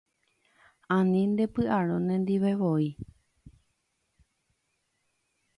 Ani ndepy'arõ nendivevoi